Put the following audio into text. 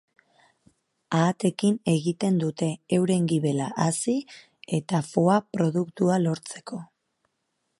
Ahateekin egiten dute, euren gibela hazi eta foie produktua lortzeko.